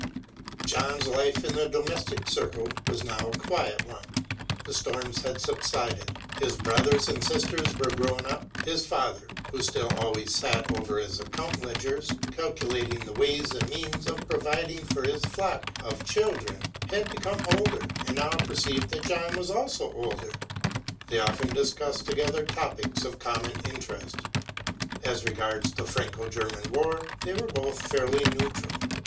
John's life in the domestic circle was now a quiet one. The storms had subsided; his brothers and sisters were grown up. His father, who still always sat over his account ledgers, calculating the ways and means of providing for his flock of children, had become older, and now perceived that John was also older. They often discussed together topics of common interest. As regards the Franco German War they were both fairly neutral.